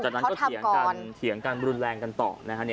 เขาทำก่อนอ่าจากนั้นก็เฉียงกันรุนแรงกันต่อนะฮะ